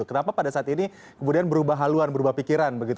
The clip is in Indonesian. kenapa pada saat ini kemudian berubah haluan berubah pikiran begitu